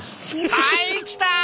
はい来た！